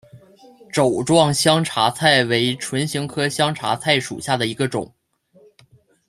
帚状香茶菜为唇形科香茶菜属下的一个种。